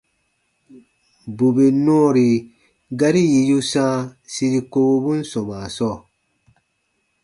Bù bè nɔɔri gari yì yu sãa siri kowobun sɔmaa sɔɔ,